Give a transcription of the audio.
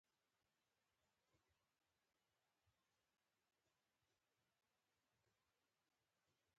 خانج وائي رڼا َد مينې ده رڼا َد سترګو